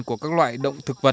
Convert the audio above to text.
của các loại động thực vật